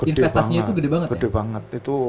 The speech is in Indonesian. investasinya itu gede banget ya